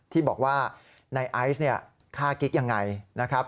ที่บอกว่าในไอซ์เนี่ยฆ่ากิ๊กยังไงนะครับ